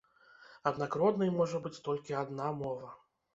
Аднак роднай можа быць толькі адна мова.